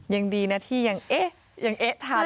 ยังดีนะที่ยังเอ๊ะยังเอ๊ะทาน